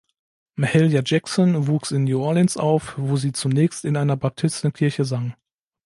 Mahalia Jackson wuchs in New Orleans auf, wo sie zunächst in einer Baptistenkirche sang.